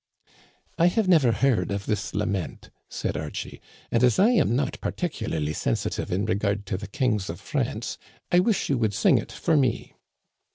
I have never heard of this lament," said Archie ;" and as I am not particularly sensitive in regard to the kings of France, I wish you would sing it for me."